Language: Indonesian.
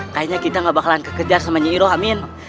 kayaknya kita gak bakalan kekejar sama nyihirah amin